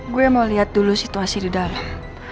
gue mau lihat dulu situasi di dalam